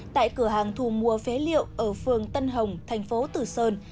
tại cửa hàng thu mua phế liệu ở phương tân hồng thành phố tử sơn